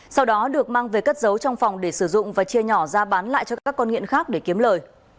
sau đó được mang về cất giấu trong phòng để sử dụng và chia nhỏ ra bán lại cho các con nghiện khác để kiếm lời